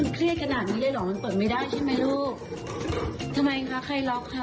เครียดขนาดนี้เลยเหรอมันเปิดไม่ได้ใช่ไหมลูกทำไมคะใครล็อกคะ